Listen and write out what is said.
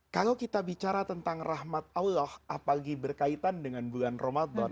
kalau kita bicara tentang rahmat allah apalagi berkaitan dengan bulan ramadan